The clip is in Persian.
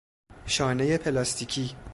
شانهی پلاستیکی